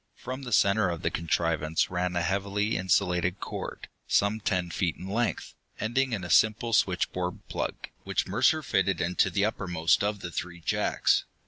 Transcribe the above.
From the center of the contrivance ran a heavy insulated cord, some ten feet in length, ending in a simple switchboard plug, which Mercer fitted into the uppermost of the three jacks.